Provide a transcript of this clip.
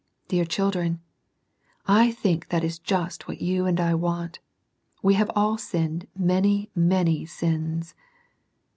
Dear children, I think that is just what you and I want We have all sinned many many sins.